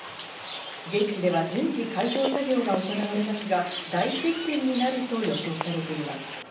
現地では順次、開票作業が行われますが、大接戦になると予想されています。